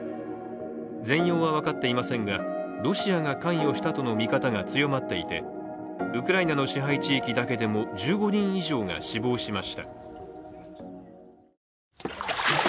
全容は分かっていませんがロシアが関与したとの見方が強まっていてウクライナの支配地域だけでも１５人以上が死亡しました。